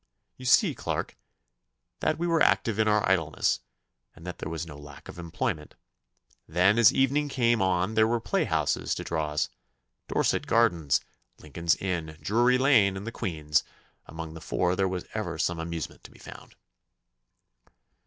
You see, Clarke, that we were active in our idleness, and that there was no lack of employment. Then as evening came on there were the playhouses to draw us, Dorset Gardens, Lincoln's Inn, Drury Lane, and the Queen's among the four there was ever some amusement to be found.